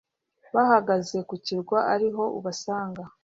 Bahagaze ku kirwa ariho ubasanga